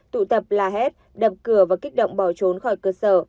tụ tập là hết đập cửa và kích động bỏ trốn khỏi cơ sở